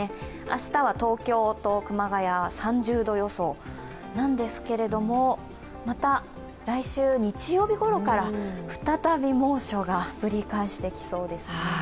明日は東京と熊谷、３０度予想なんですけれどもまた来週、日曜日ごろから再び猛暑がぶり返してきそうです。